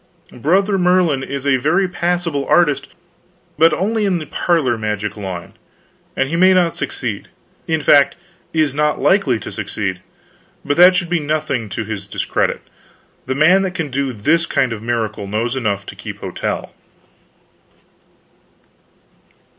Brother Merlin is a very passable artist, but only in the parlor magic line, and he may not succeed; in fact, is not likely to succeed. But that should be nothing to his discredit; the man that can do this kind of miracle knows enough to keep hotel."